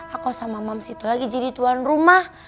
aku sama moms itu lagi jadi tuan rumah